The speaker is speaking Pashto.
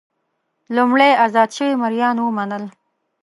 لومړی ازاد شوي مریان ومنل.